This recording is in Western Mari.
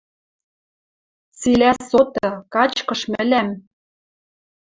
«Цилӓ соты, качкыш мӹлӓм